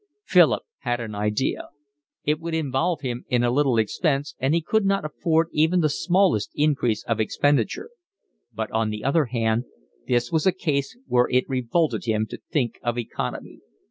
Philip had an idea. It would involve him in a little expense and he could not afford even the smallest increase of expenditure; but on the other hand this was a case where it revolted him to think of economy.